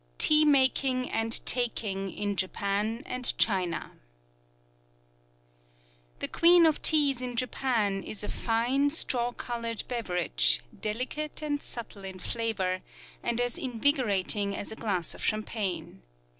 TEA MAKING AND TAKING IN JAPAN AND CHINA The queen of teas in Japan is a fine straw colored beverage, delicate and subtle in flavor, and as invigorating as a glass of champagne.